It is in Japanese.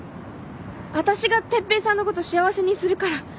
わたしが哲平さんのこと幸せにするから。